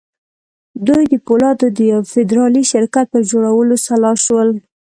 دوی د پولادو د یوه فدرالي شرکت پر جوړولو سلا شول